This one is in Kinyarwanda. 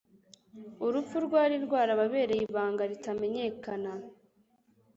Urupfu rwari rwarababereye ibanga ritamenyekana.